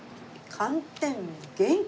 寒天元気！